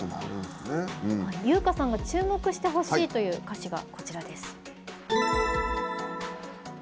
由薫さんが注目してほしいという歌詞です。